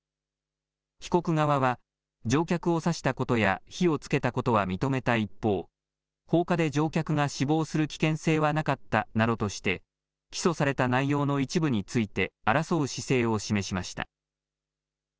被告側は乗客を刺したことや火をつけたことは認めた一方、放火で乗客が死亡する危険性はなかったなどとして起訴された内容の一部について争う姿勢を示しました。